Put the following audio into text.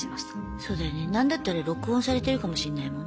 そうだよね何だったら録音されてるかもしんないもんね。